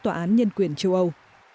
tòa án nhân quyền châu âu